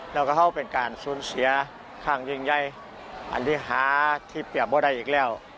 แล้วก็เขาเป็นการสูญเสียข้างยิ่งใหญ่อริหาที่เปรียบว่าได้อีกแล้ว